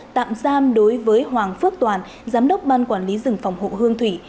tạm giam đối với hoàng phước toàn giám đốc ban quản lý rừng phòng hộ hương thủy